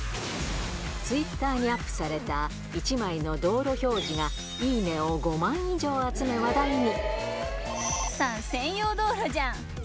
ツイッターにアップされた一枚の道路標示が、いいねを５万以上集め話題に。